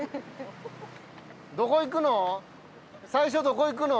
最初どこ行くの？